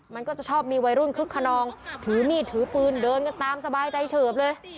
มันก็จะชอบมีวัยรุ่นคึกขนองถือมีดถือปืนเดินกันตามสบายใจเฉิบเลย